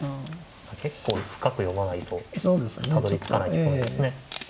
結構深く読まないとたどりつかないところですね。